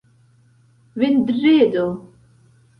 vendredo